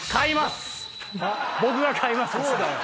僕が買います！